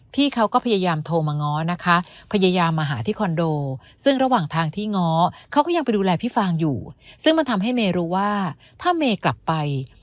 พี่เขาก็พยายามโทรมาง้อนะคะ